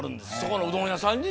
そこのうどん屋